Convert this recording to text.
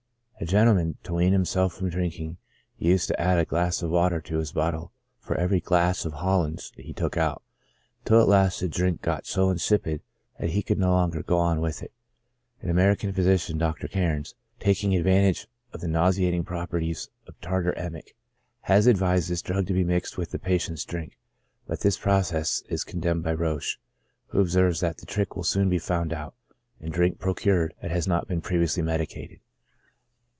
A gentleman, to wean himself from drinking, used to add a glass of water to his bottle for every glass of Hollands he took out, till at last the drink got so insipid that he could no longer go on with it. An American physician, Dr. Kairns, taking advantage of the nauseating properties of tartar emetic, has advised this drug to be mixed with the patient's drink; but this process is condemmed by Roesch, who observes that the trick will soon be found out, and drink procured that has not been previously medicated.